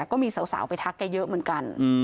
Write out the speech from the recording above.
ก็มีสาวไปทักแกเยอะเหมือนกัน